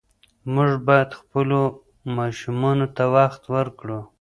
موږ باید خپلو ماشومانو ته وخت ورکړو.